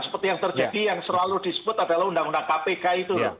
seperti yang terjadi yang selalu disebut adalah undang undang kpk itu